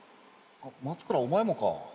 あっ松倉お前もか。